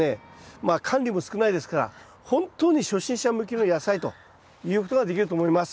まあ管理も少ないですから本当に初心者向きの野菜と言うことができると思います。